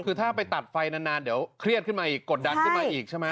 คือถ้าไปตัดไฟนานเดี๋ยวเครียดขึ้นมาอีกกดดันขึ้นมาอีกใช่ไหม